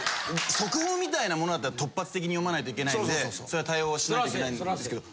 速報みたいなものだったら突発的に読まないといけないんでそれは対応しないといけないんですけど。